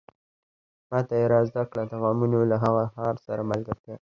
ماته يې را زده کړه د غمونو له هغه ښار سره ملګرتيا